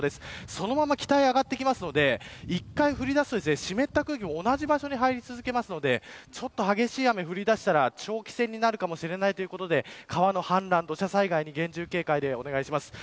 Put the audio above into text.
そのまま北に上がってくるので１回降りだすと湿った空気が同じ場所に入り続けるので激しい雨が降り出したら長期戦になるかもしれないということで川の氾濫や土砂災害に厳重警戒お願いします。